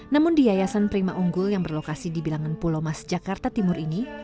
namun di yayasan prima unggul yang berlokasi di bilangan pulau mas jakarta timur ini